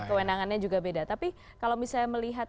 kewenangannya juga beda tapi kalau misalnya melihat